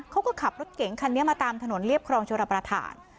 เขาก็ขับรถเก๋งคันนี้มาตามถนนเรียบครองชรประธาน